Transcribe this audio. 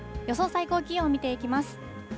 最高気温を見ていきます。